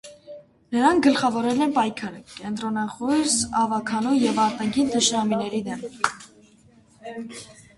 Նրանք գլխավորել են պայքարը կենտրոնախույս ավագանու և արտաքին թշնամիների դեմ։